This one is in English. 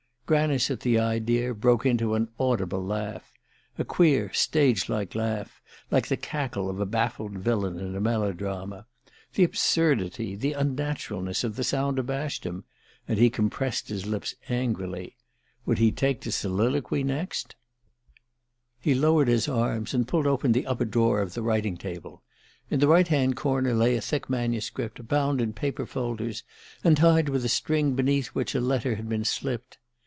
Granice, at the idea, broke into an audible laugh a queer stage laugh, like the cackle of a baffled villain in a melodrama. The absurdity, the unnaturalness of the sound abashed him, and he compressed his lips angrily. Would he take to soliloquy next? He lowered his arms and pulled open the upper drawer of the writing table. In the right hand corner lay a thick manuscript, bound in paper folders, and tied with a string beneath which a letter had been slipped.